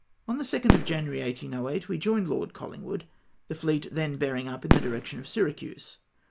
On the 2nd of January, 1808, we joined Lord CoUingwood, the fleet then bearing up in the direction of Syracuse.